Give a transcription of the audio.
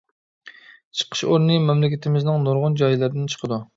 چىقىش ئورنى مەملىكىتىمىزنىڭ نۇرغۇن جايلىرىدىن چىقىدۇ.